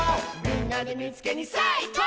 「みんなでみいつけにさあいこう！」